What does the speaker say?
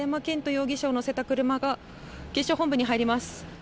容疑者を乗せた車が警視庁本部に入ります。